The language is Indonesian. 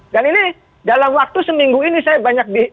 dan ini dalam waktu seminggu ini saya banyak di